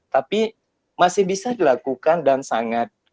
tapi masih bisa dilakukan dan sangat